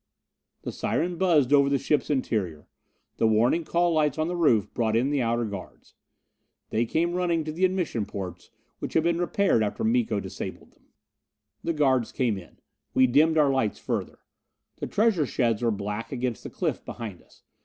The siren buzzed over the camp's interior; the warning call lights on the roof brought in the outer guards. They came running to the admission portes, which had been repaired after Miko disabled them. The guards came in. We dimmed our lights further. The treasure sheds were black against the cliff behind us.